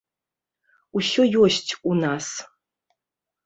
Усё ёсць у нас.